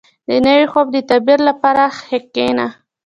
• د نوي خوب د تعبیر لپاره کښېنه.